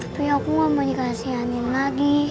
tapi aku mau dikasihanin lagi